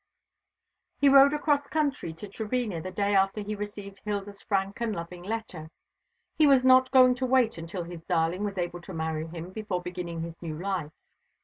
He rode across country to Trevena the day after he received Hilda's frank and loving letter. He was not going to wait until his darling was able to marry him before beginning his new life.